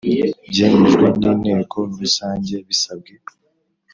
Byemejwe N Inteko Rusange Bisabwe